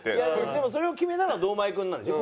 でもそれを決めたのは堂前君なんでしょ？